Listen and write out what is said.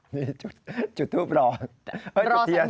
นี่จุดทูปรอ